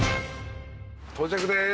到着です。